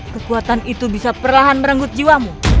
kekuatan itu bisa perlahan merenggut jiwamu